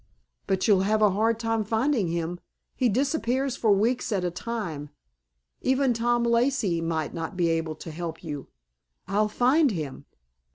"But you'll have a hard time finding him. He disappears for weeks at a time. Even Tom Lacey might not be able to help you." "I'll find him."